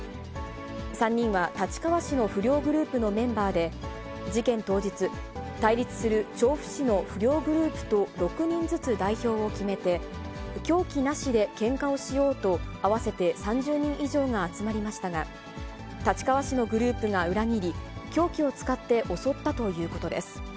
３人は立川市の不良グループのメンバーで、事件当日、対立する調布市の不良グループと６人ずつ代表を決めて、凶器なしでけんかをしようと合わせて３０人以上が集まりましたが、立川市のグループが裏切り、凶器を使って襲ったということです。